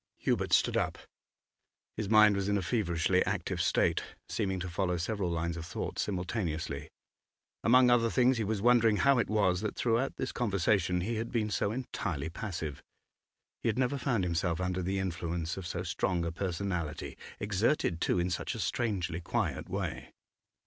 Hubert stood up. His mind was in a feverishly active state, seeming to follow several lines of thought simultaneously. Among other things, he was wondering how it was that throughout this conversation he had been so entirely passive. He had never found himself under the influence of so strong a personality, exerted too in such a strangely quiet way.